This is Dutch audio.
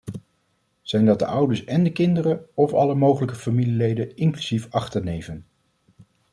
Zijn dat de ouders en de kinderen of alle mogelijke familieleden inclusief achterneven?